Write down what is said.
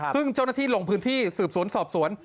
ซึ่งเจ้าหน้าที่ลงพื้นที่สืบสวนสอบสวน